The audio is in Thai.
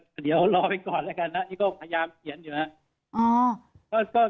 ก็เดี๋ยวรอไปก่อน้งก่อนนะครับนี่ก็พยายามเขียนอยู่นะครับ